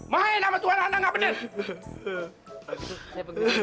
main sama tuan tuan nggak bener